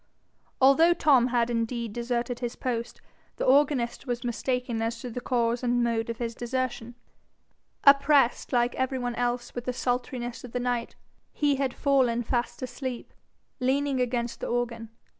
Although Tom had indeed deserted his post, the organist was mistaken as to the cause and mode of his desertion: oppressed like every one else with the sultriness of the night, he had fallen fast asleep, leaning against the organ.